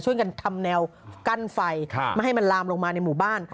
ทำแนวกั้นไฟไม่ให้มันลามลงมาในหมู่บ้าน